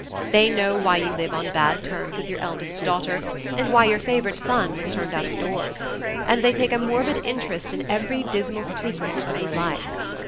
They know why you live on bad terms with your eldest daughter, and why your favorite son was turned out of doors; and they take a morbid interest in every dismal secret of your life.